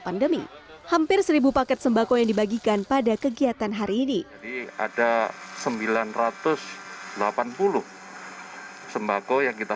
pandemi hampir seribu paket sembako yang dibagikan pada kegiatan hari ini ada sembilan ratus delapan puluh sembako yang kita